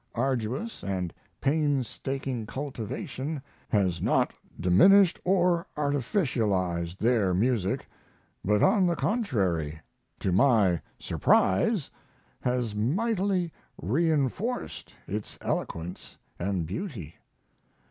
Arduous & painstaking cultivation has not diminished or artificialized their music, but on the contrary to my surprise has mightily reinforced its eloquence and beauty.